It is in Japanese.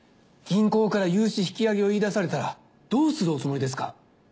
銀行から融資引き上げを言い出されたらどうするおつもりですか？